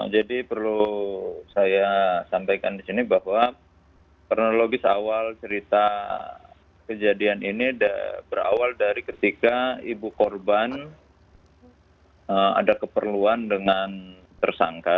jadi perlu saya sampaikan di sini bahwa kronologi awal cerita kejadian ini berawal dari ketika ibu korban ada keperluan dengan tersangka